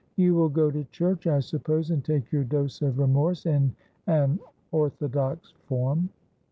You will go to church, I suppose, and take your dose of remorse in an orthodox form